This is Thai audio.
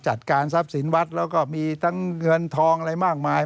จัดการทรัพย์สินวัดแล้วก็มีทั้งเงินทองอะไรมากมาย